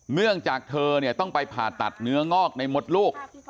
เนื่องจากเธอต้องไปผ่าตัดเนื้องอกในมดลูก